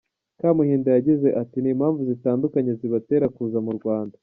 Kamuhinda yagize ati “Ni impamvu zitandukanye zibatera kuza mu Rwanda.